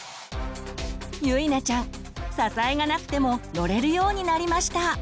ゆいなちゃん支えがなくても乗れるようになりました。